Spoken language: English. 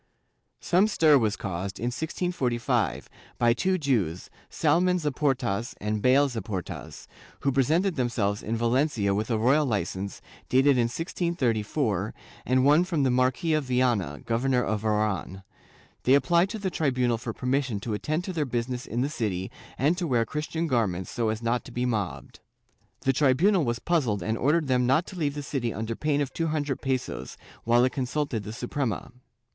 Some stir was caused, in 1645, by two Jews, Salamon Zaportas and Bale Zaportas, who presented themselves in Valencia with a royal licence, dated in 1634, and one from the Marquis of Viana, Governor of Oran. They applied to the tribunal for permission to attend to their business in the city and to wear Christian gar ments, so as not to be mobbed. The tribunal was puzzled and ordered them not to leave the city under pain of two hundred pesos, while it consulted the Suprema.